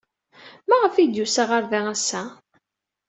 Maɣef ay d-yusa ɣer da ass-a?